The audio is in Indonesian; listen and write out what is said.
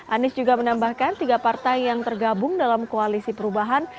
anies juga menambahkan tiga partai yang tergabung dalam koalisi perubahan